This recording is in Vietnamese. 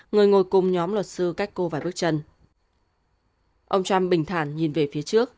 người ngồi cùng nhóm luật sư cách cô vài bước chân ông trump bình thản nhìn về phía trước